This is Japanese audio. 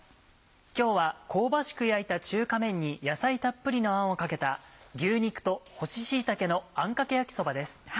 今日は香ばしく焼いた中華麺に野菜たっぷりのあんをかけた「牛肉と干し椎茸のあんかけ焼きそば」です。